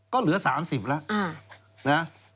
ก็เหลือ๓๐แล้วนะ